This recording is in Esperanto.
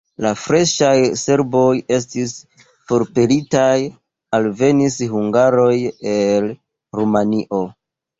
La freŝaj serboj estis forpelitaj, alvenis hungaroj el Rumanio.